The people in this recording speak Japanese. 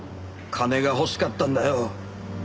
金が欲しかったんだよ。